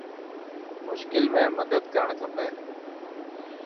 مشڪل ۾ مدد ڪرڻ کپي.